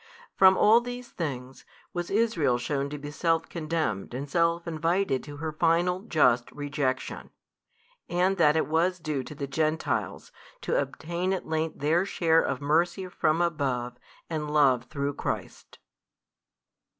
From |333 all these things, was Israel shewn to be self condemned and self invited to her final just rejection, and that it was due to the Gentiles to obtain at length their share of mercy from above and love through Christ.